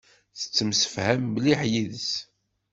Tettemsefham mliḥ yid-s.